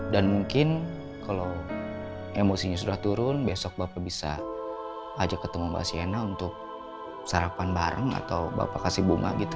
dan mungkin kalau emosinya sudah turun besok bapak bisa ajak ketemu mbak sienna untuk sarapan bareng atau bapak kasih bunga gitu